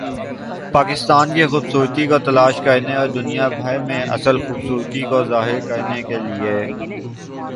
پاکستان کی خوبصورتی کو تلاش کرنے اور دنیا بھر میں اصل خوبصورتی کو ظاہر کرنے کے لئے